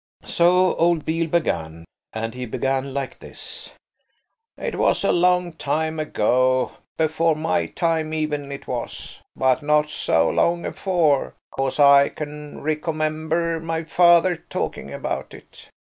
So old Beale began, and he began like this– "It was a long time ago–before my time even, it was, but not so long afore, 'cause I can recomember my father talking about it.